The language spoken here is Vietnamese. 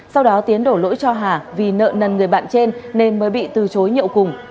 sau đó tiến đổ lỗi cho hà vì nợ nần người bạn trên nên mới bị từ chối nhậu cùng